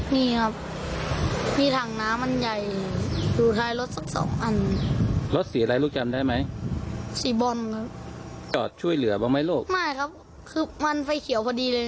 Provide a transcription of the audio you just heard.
มีครับมีถังน้ำมันใหญ่